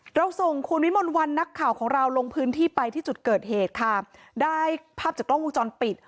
เราส่งคุณวิมลวันนักข่าวของเราลงพื้นที่ไปที่จุดเกิดเหตุค่ะได้ภาพจากกล้องวงจรปิด